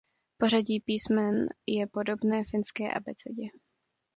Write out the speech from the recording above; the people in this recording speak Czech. Pořadí písmen je podobné finské abecedě.